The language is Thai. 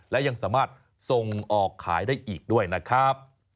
และยังสามารถส่งออกขายได้อีกด้วยนะครับ